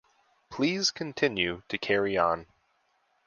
Please continue to carry on.